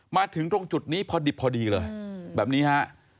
มาถึงตรงจุดนี้พอดิบพอดีเลยแบบนี้ฮะ